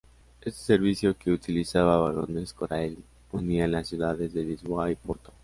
Este servicio, que utilizaba vagones Corail, unía las ciudades de Lisboa y Porto.